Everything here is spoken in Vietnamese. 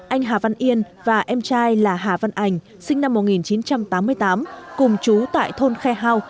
anh hà văn yên và em trai là hà văn ảnh sinh năm một nghìn chín trăm tám mươi tám cùng chú tại thôn khe hao